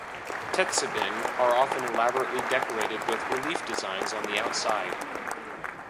"Tetsubin" are often elaborately decorated with relief designs on the outside.